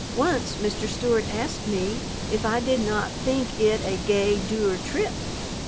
Once Mr. Stewart asked me if I did not think it a "gey duir trip."